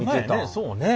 そうね。